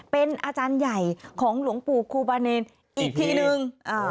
เป็นอาจารย์ใหญ่ของหลวงปู่ครูบาเนรอีกทีนึง